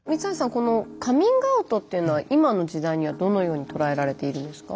このカミングアウトっていうのは今の時代にはどのように捉えられているんですか。